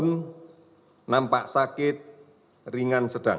menanggung kondisi sakit ringan sedang